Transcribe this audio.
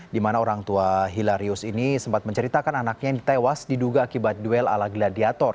di mana orang tua hilarius ini sempat menceritakan anaknya yang ditewas diduga akibat duel ala gladiator